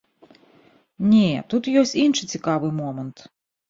Не, тут ёсць іншы цікавы момант.